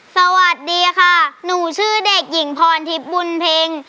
สวัสดีค่ะหนูชื่อเด็กหญิงพรทิพย์บุญเพ็ง